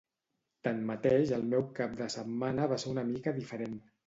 Tanmateix el meu cap de setmana va ser una mica diferent.